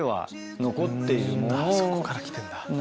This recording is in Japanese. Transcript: そこから来てんだ。